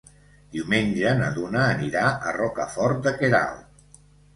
Diumenge na Duna anirà a Rocafort de Queralt.